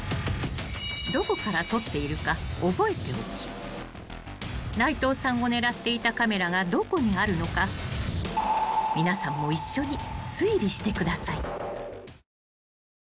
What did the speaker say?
［どこから撮っているか覚えておき内藤さんを狙っていたカメラがどこにあるのか皆さんも一緒に推理してください］